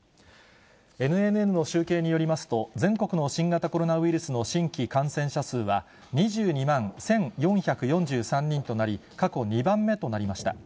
ＮＮＮの集計によりますと、全国の新型コロナウイルスの新規感染者数は、２２万１４４３人となり、過去２番目となりました。